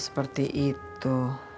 oh seperti itu